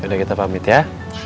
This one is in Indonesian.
udah kita pamit ya